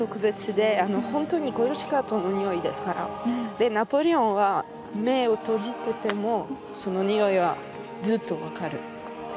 でナポレオンは目を閉じててもそのにおいはずっと分かるって言ってたんです。